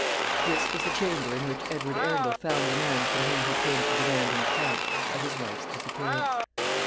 This was the chamber in which Edward Arundel found the man from whom he came to demand an account of his wife's disappearance.